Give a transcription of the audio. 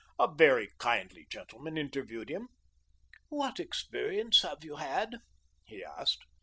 A very kindly gentleman interviewed him. "What experience have you had?" he asked.